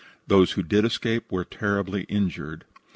Those who did escape were terribly injured.